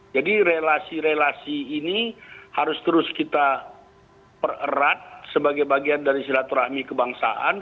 jadi relasi relasi ini harus terus kita pererat sebagai bagian dari silaturahmi kebangsaan